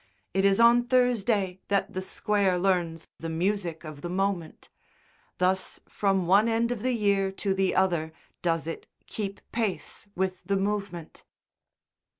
It is on Thursday that the Square learns the music of the moment; thus from one end of the year to the other does it keep pace with the movement.